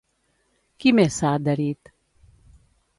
Qui més s'ha adherit?